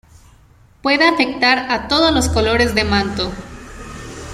Puede afectar a todos los colores de manto.